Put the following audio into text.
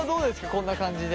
こんな感じで。